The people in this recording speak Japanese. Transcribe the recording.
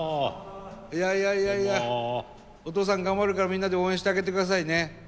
いやいやいやいやお父さん頑張るからみんなで応援してあげてくださいね。